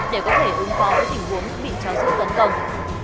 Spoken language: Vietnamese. để có thể ứng phó với tình huống bị chó giữ tấn công